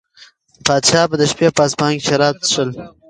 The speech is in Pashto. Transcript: پادشاه به د شپې په اصفهان کې شراب څښل.